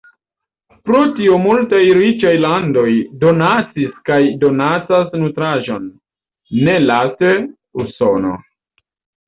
Pro tio multaj riĉaj landoj donacis kaj donacas nutraĵon, nelaste Usono.